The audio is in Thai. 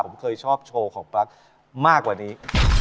ผมเคยชอบโชว์ของปลั๊กมากกว่านี้